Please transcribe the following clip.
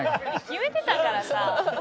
決めてたからさ。